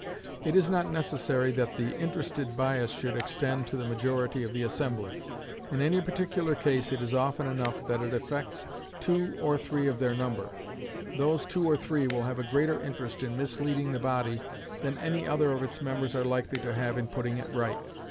It is not necessary that the interested bias should extend to the majority of the assembly. In any particular case it is of ten enough that it affects two or three of their number. Those two or three will have a greater interest in misleading the body than any other of its members are likely to have in putting it right.